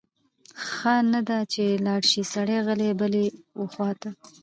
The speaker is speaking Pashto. ښه نه ده چې لاړ شی سړی غلی بلې خواته؟